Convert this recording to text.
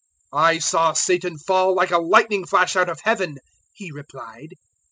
010:018 "I saw Satan fall like a lightning flash out of Heaven," He replied.